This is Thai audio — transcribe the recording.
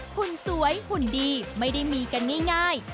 หุ่นสวยหุ่นดีไม่ได้มีกันง่าย